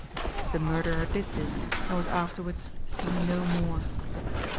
The murderer did this, and was afterwards seen no more.